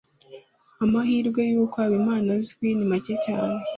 amahirwe yuko habimana azicwa ni make cyane